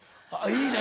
いいね。